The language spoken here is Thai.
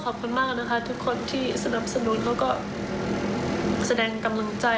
ขอบคุณมากนะคะทุกคนที่สนับสนุนเขาก็แสดงกำลังใจ